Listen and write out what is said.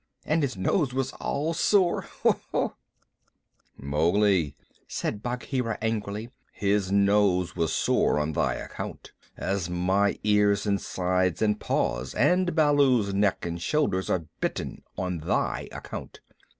And his nose was all sore. Ho! Ho!" "Mowgli," said Bagheera angrily, "his nose was sore on thy account, as my ears and sides and paws, and Baloo's neck and shoulders are bitten on thy account.